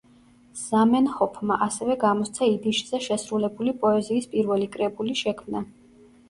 ზამენჰოფმა ასევე გამოსცა იდიშზე შესრულებული პოეზიის პირველი კრებული შექმნა.